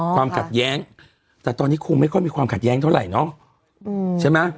ความขัดแย้งแต่ตอนนี้คงไม่ค่อยมีความขัดแย้งเท่าไหร่เนอะใช่ไหม